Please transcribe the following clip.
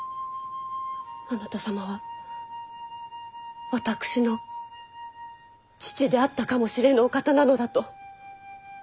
あなた様は私の父であったかもしれぬお方なのだと。